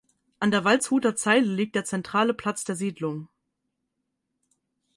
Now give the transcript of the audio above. An der Waldshuter Zeile liegt der zentrale Platz der Siedlung.